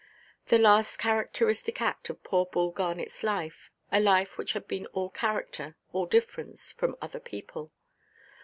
The last characteristic act of poor Bull Garnetʼs life, a life which had been all character, all difference, from other people.